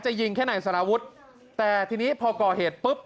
ยิงแค่นายสารวุฒิแต่ทีนี้พอก่อเหตุปุ๊บ